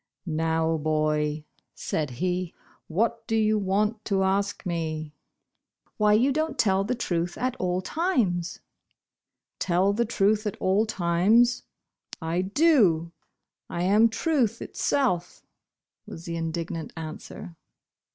"Now, boy," said he, "what do you want to ask me ?" "Why you don't tell the truth at all times ?" "Tell the truth at all times? I do. I am Truth itself," was the indignant answer.